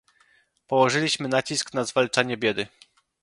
Położyliśmy nacisk na zwalczanie biedy